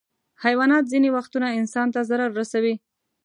حیوانات ځینې وختونه انسان ته ضرر رسوي.